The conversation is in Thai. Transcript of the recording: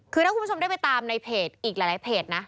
คือถ้าคุณผู้ชมได้ไปตามในเพจอีกหลายเพจนะ